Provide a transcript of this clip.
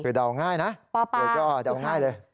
คือเดาง่ายนะเธอก็เดาง่ายเลย